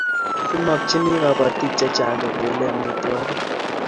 Ki makchini kabatik chechang' ko kole amitwogik